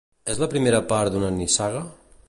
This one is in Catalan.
És la primera part d'una nissaga?